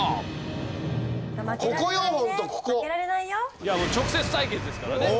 いやもう直接対決ですからね。